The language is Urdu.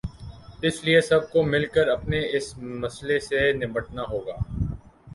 اس لیے سب کو مل کر اپنے اس مسئلے سے نمٹنا ہو گا۔